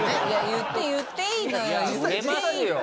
言って言っていいのよ。